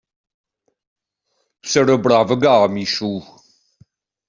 C’est le brave gars, Michou.